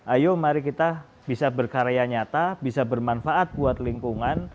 ayo mari kita bisa berkarya nyata bisa bermanfaat buat lingkungan